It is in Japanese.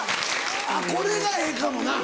あっこれがええかもな。